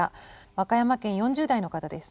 和歌山県４０代の方です。